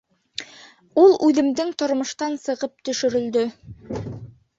Ул үҙемдең тормоштан сығып төшөрөлдө.